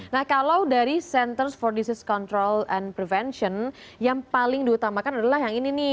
nah kalau dari centers for disease control and prevention yang paling diutamakan adalah yang ini nih